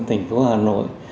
tình phố hà nội